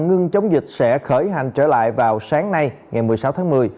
ngưng chống dịch sẽ khởi hành trở lại vào sáng nay ngày một mươi sáu tháng một mươi